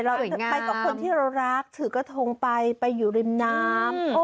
เราไปกับคนที่เรารักถือกระทงไปไปอยู่ริมน้ำ